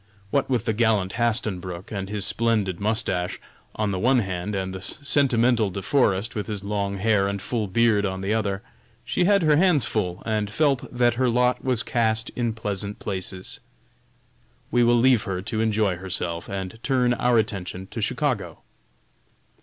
What with the gallant Hastenbrook, with his splendid mustache, on the one hand, and the sentimental De Forest, with his long hair and full beard, on the other, she had her hands full, and felt that her lot was cast in pleasant places. We will leave her to enjoy herself, and turn our attention to Chicago.